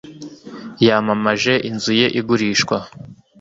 yamamaje inzu ye igurishwa